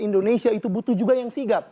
indonesia itu butuh juga yang sigap